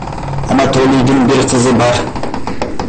Анатолийдин бир кызы бар.